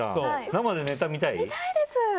生でネタ見たい？